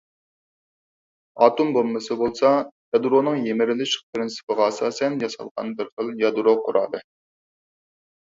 ئاتوم بومبىسى بولسا يادرونىڭ يىمىرىلىش پىرىنسىپىغا ئاساسەن ياسالغان بىرخىل يادرو قورالى.